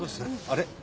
あれ？